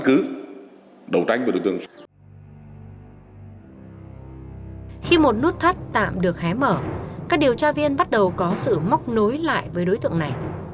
khi một nút thắt tạm được hé mở các điều tra viên bắt đầu có sự móc nối lại với đối tượng này